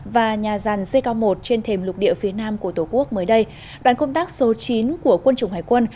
và nhà rằn dây cao một trên thềm lục địa phía nam của tổ quốc mới đây đoàn công tác số chín của quân chủng hải quân